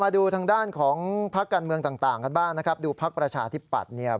ดูภาคประชาธิปัตย์